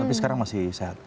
tapi sekarang masih sehat